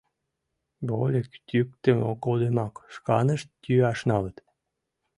Вольык йӱктымӧ годымак шканышт йӱаш налыт.